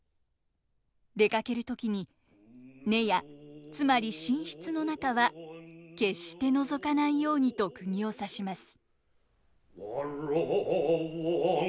出かける時に寝屋つまり寝室の中は決して覗かないようにとくぎを刺します。